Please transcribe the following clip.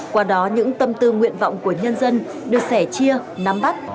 qua đó những tâm tư nguyện vọng của nhân dân được sẻ chia nắm bắt